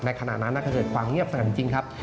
ขณะนั้นเกิดความเงียบสงั่นจริงครับ